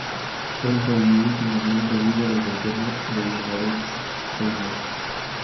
Él fue el último miembro vivo del gobierno de United Farmers.